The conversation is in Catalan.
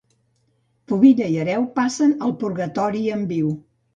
Pubilla i hereu, passen el purgatori en viu.